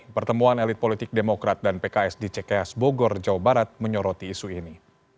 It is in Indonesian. pertemuan elit politik demokrat dan pks di cks bogor jawa barat menyoroti isu ini